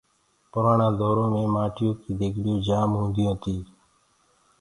پُرآڻآ دورو مي مآٽيو ڪي ديگڙيونٚ جآم هونديونٚ تي۔